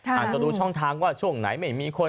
อาจจะดูช่องทางว่าช่วงไหนไม่มีคน